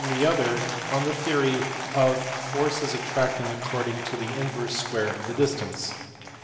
the other on the theory of forces attracting according to the inverse square of the distance.